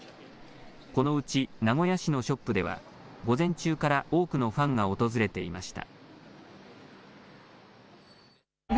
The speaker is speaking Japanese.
このうち名古屋市のショップでは午前中から多くのファンが訪れていました。